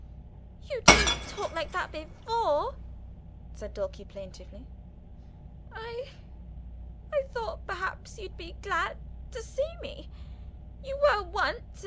"You didn't talk like that before," said Dulcie plaintively. "I I thought perhaps you'd be glad to see me. You were once.